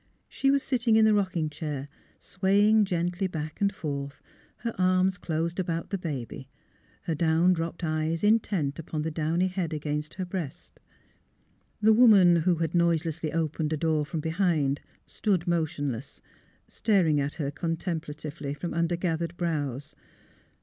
She was sitting in the rocking chair swaying gently back and forth, her arms closed about the baby, her down dropped eyes intent upon the downy head against her breast. The woman, who had noiselessly opened a door from behind, stood motionless, staring at her contem platively from under gathered brows.